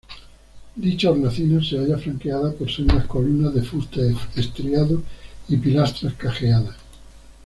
Dicha hornacina se halla flanqueada por sendas columnas de fustes estriados y pilastras cajeadas.